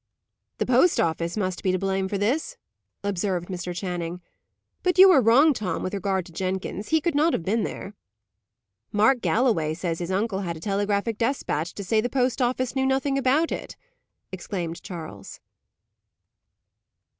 "The post office must be to blame for this," observed Mr. Channing. "But you are wrong, Tom, with regard to Jenkins. He could not have been there." "Mark Galloway says his uncle had a telegraphic despatch, to say the post office knew nothing about it," exclaimed Charles.